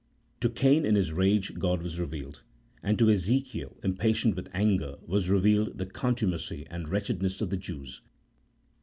To Cain in his rage, God was revealed, and to Ezekiel, impatient with anger, was revealed the contumacy and wretchedness of the Jews.